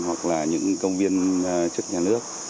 hoặc là những công viên chức nhà nước